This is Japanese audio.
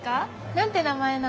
何て名前なの？